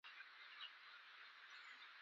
په تکیه کې یوازې د شین غزي بابا قبر و.